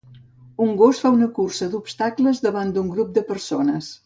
Un gos fa una cursa d'obstacles davant d'un grup de persones.